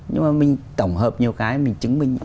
nhưng mà mình tổng hợp nhiều cái mình chứng minh